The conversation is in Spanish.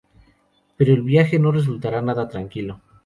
Pero el viaje no resultará nada tranquilo.